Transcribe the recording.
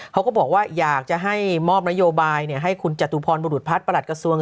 เขาก็บอกว่าอยากจะให้มอบนโยบายให้คุณจตุพรบุรุษพัฒน์ประหลัดกระทรวง